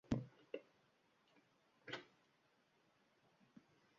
Demà passat en Pau anirà a la biblioteca.